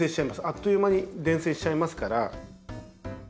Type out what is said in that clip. あっという間に伝染しちゃいますから。